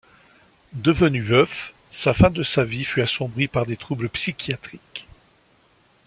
Devenu veuf, sa fin de sa vie fut assombrie par des troubles psychiatriques.